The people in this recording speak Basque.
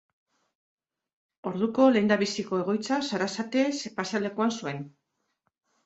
Orduko lehendabiziko egoitza Sarasate pasealekuan zuen.